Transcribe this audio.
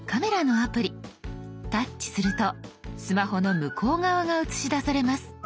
タッチするとスマホの向こう側が写し出されます。